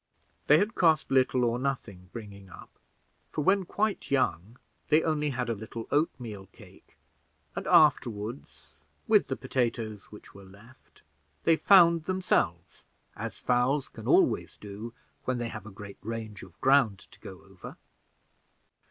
They had cost little or nothing bringing up; for when quite young, they only had a little oatmeal cake, and afterward, with the potatoes which were left, they found themselves, as fowls can always do when they have a great range of ground to go over.